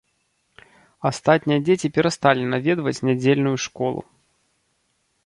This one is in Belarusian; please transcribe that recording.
Астатнія дзеці перасталі наведваць нядзельную школу.